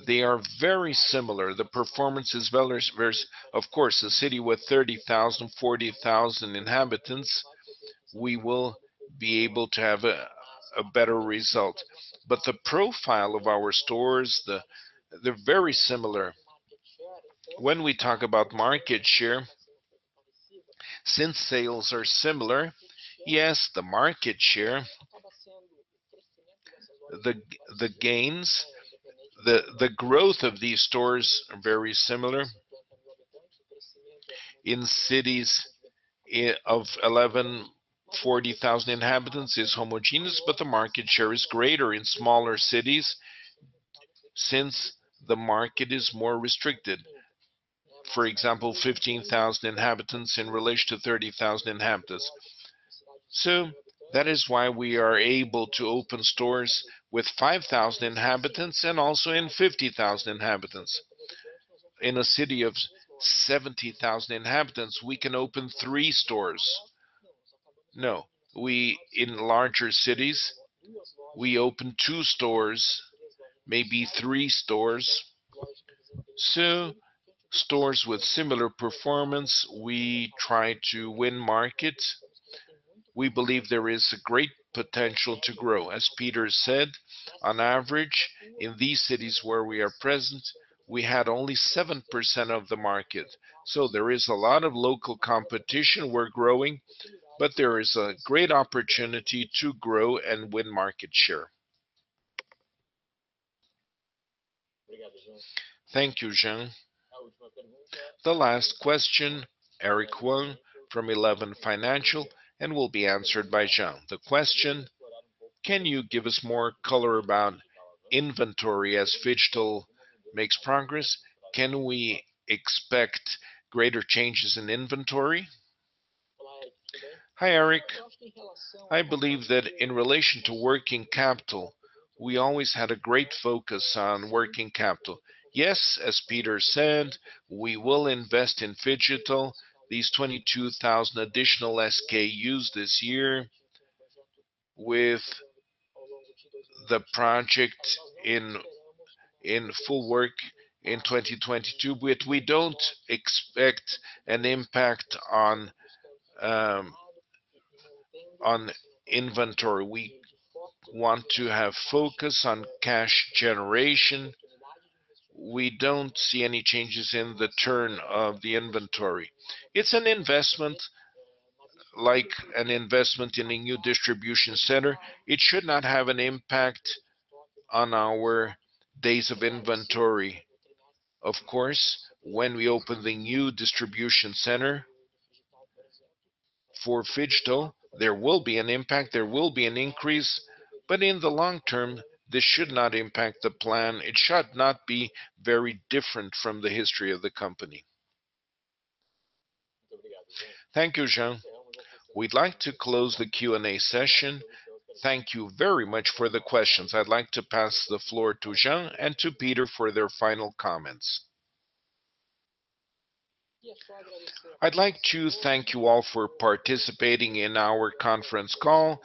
they are very similar. The performance is very similar. Of course, a city with 30,000, 40,000 inhabitants, we will be able to have a better result. The profile of our stores, they're very similar. When we talk about market share, since sales are similar, yes, the market share, the gains, the growth of these stores are very similar. In cities of 11,000, 40,000 inhabitants is homogeneous, but the market share is greater in smaller cities since the market is more restricted. For example, 15,000 inhabitants in relation to 30,000 inhabitants. That is why we are able to open stores with 5,000 inhabitants and also in 50,000 inhabitants. In a city of 70,000 inhabitants, we can open three stores. No. In larger cities, we open two stores, maybe three stores. Stores with similar performance, we try to win market. We believe there is a great potential to grow. As Peter said, on average, in these cities where we are present, we had only 7% of the market. There is a lot of local competition. We're growing, but there is a great opportunity to grow and win market share. Thank you, Jean. The last question, Eric Huang from Eleven Financial Research, and will be answered by Jean. The question: Can you give us more color about inventory as phygital makes progress? Can we expect greater changes in inventory? Hi, Eric. I believe that in relation to working capital, we always had a great focus on working capital. Yes, as Peter said, we will invest in phygital, these 22,000 additional SKUs this year with the project in full work in 2022. We don't expect an impact on inventory. We want to have focus on cash generation. We don't see any changes in the turn of the inventory. It's an investment like an investment in a new distribution center. It should not have an impact on our days of inventory. Of course, when we open the new distribution center for phygital, there will be an impact, there will be an increase, but in the long term, this should not impact the plan. It should not be very different from the history of the company. Thank you, Jean. We'd like to close the Q&A session. Thank you very much for the questions. I'd like to pass the floor to Jean and to Peter for their final comments. I'd like to thank you all for participating in our conference call.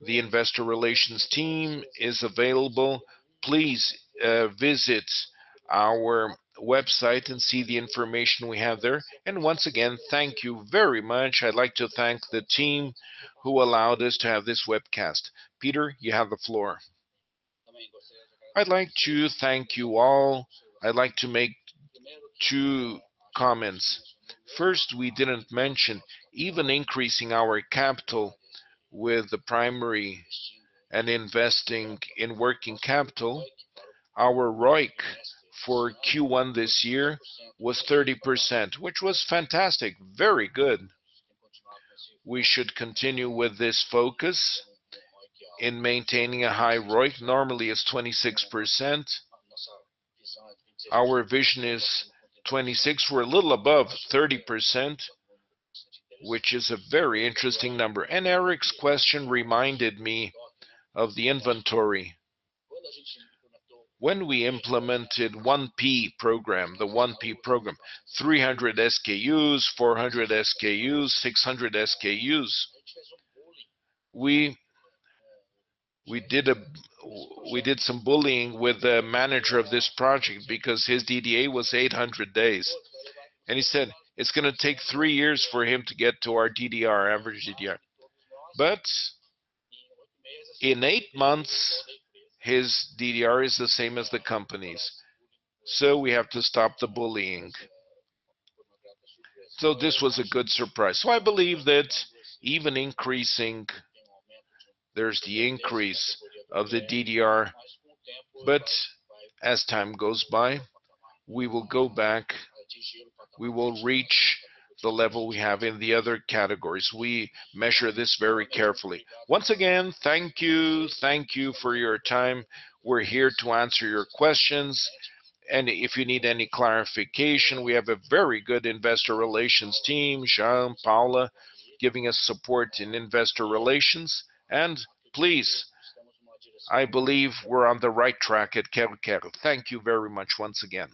The investor relations team is available. Please visit our website and see the information we have there. Once again, thank you very much. I'd like to thank the team who allowed us to have this webcast. Peter, you have the floor. I'd like to thank you all. I'd like to make two comments. First, we didn't mention even increasing our capital with the primary and investing in working capital. Our ROIC for Q1 this year was 30%, which was fantastic, very good. We should continue with this focus in maintaining a high ROIC. Normally, it's 26%. Our vision is 26%. We're a little above 30%, which is a very interesting number. Eric's question reminded me of the inventory. When we implemented the 1P program, 300 SKUs, 400 SKUs, 600 SKUs. We did some bullying with the manager of this project because his DDA was 800 days, and he said it's going to take three years for him to get to our DDR, average DDR. In eight months, his DDR is the same as the company's, so we have to stop the bullying. This was a good surprise. I believe that even increasing, there's the increase of the DDR. As time goes by, we will go back. We will reach the level we have in the other categories. We measure this very carefully. Once again, thank you. Thank you for your time. We're here to answer your questions. If you need any clarification, we have a very good investor relations team, Jean, Paula, giving us support in investor relations. Please, I believe we're on the right track at Quero-Quero. Thank you very much once again.